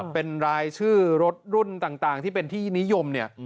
เป็นรายชื่อรถรุ่นต่างที่เป็นที่นิยมเนี่ย